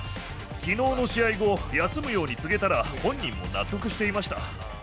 きのうの試合後、休むように告げたら、本人も納得していました。